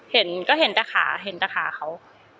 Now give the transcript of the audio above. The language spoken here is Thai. เห็นก็เห็นแต่ขาเห็นแต่ขาเขา